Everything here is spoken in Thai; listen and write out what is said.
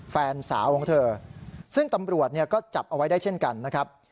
แฟนสาวของเธอซึ่งตำรวจเนี่ยก็จับเอาไว้ได้เช่นกันนะครับ